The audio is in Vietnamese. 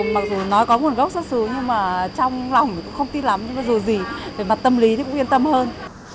mặc dù nói có nguồn gốc xuất xứ nhưng mà trong lòng cũng không tin lắm nhưng mà dù gì về mặt tâm lý thì cũng yên tâm hơn